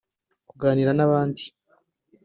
kuganira n’ibindi